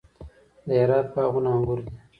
د هرات باغونه انګور دي